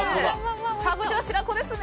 こちら白子ですね。